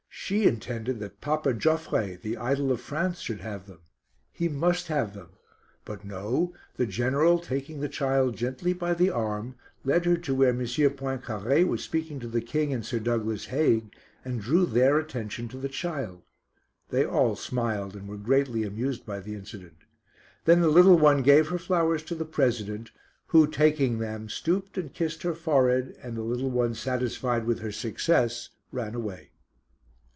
She intended that Papa Joffre, the idol of France, should have them. He must have them. But no; the General, taking the child gently by the arm, led her to where M. Poincaré was speaking to the King and Sir Douglas Haig, and drew their attention to the child. They all smiled, and were greatly amused by the incident. Then the little one gave her flowers to the President, who taking them, stooped and kissed her forehead, and the little one satisfied with her success ran away.